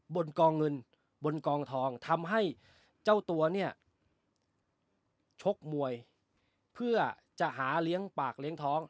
บนกองเงินบนกองทองทำให้เจ้าตัวเนี่ยชกมวยเพื่อจะหาเลี้ยงปากเลี้ยงท้อง